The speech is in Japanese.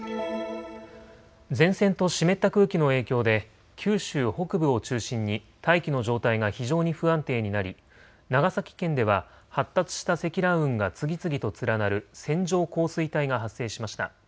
前線と湿った空気の影響で九州北部を中心に大気の状態が非常に不安定になり長崎県では発達した積乱雲が次々と連なる線状降水帯が発生しました。